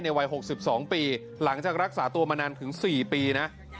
วัย๖๒ปีหลังจากรักษาตัวมานานถึง๔ปีนะ